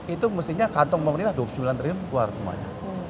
itu mestinya kantong pemerintah dua puluh sembilan triliun keluar semuanya